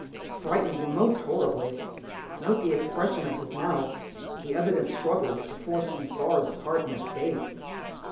Frightened most horribly. Note the expression of his mouth, the evident struggle to force these bars apart and escape.